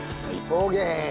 オーケー。